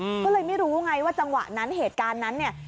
ก็เลยไม่รู้ไงว่าจังหวะนั้นเหตุการณ์นั้นเนี่ย